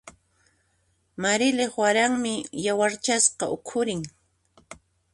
Marilyq waranmi yawarchasqa ukhurin.